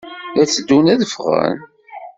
La tteddun ad ffɣen?